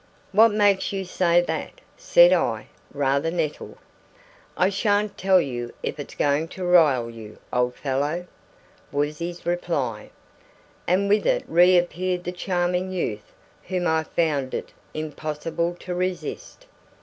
"What makes you say that?" said I, rather nettled. "I shan't tell you if it's going to rile you, old fellow," was his reply. And with it reappeared the charming youth whom I found it impossible to resist.